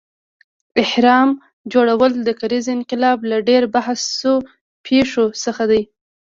اهرام جوړول د کرنیز انقلاب له ډېر بحث شوو پېښو څخه دی.